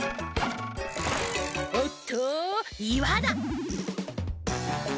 おっといわだ。